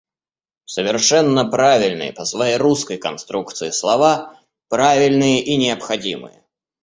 Совершенно правильные по своей русской конструкции слова, правильные и необходимые.